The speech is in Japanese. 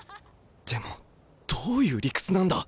でもどういう理屈なんだ。